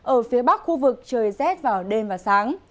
ở phía bắc khu vực trời rét vào đêm và sáng